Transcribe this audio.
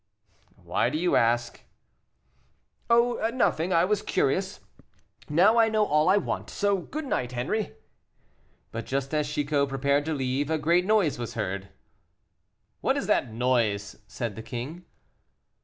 "Why do you ask?" "Oh, nothing I was curious. Now I know all I want, so good night, Henri!" But just as Chicot prepared to leave, a great noise was heard. "What is that noise?" said the king.